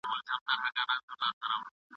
ما دغه موضوع په پښتو کي په تفصیل ولیکله.